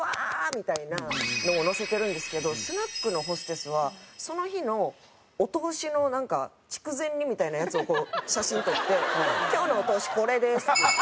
みたいなのを載せてるんですけどスナックのホステスはその日のお通しのなんか筑前煮みたいなやつを写真撮って「今日のお通しこれです」っていって。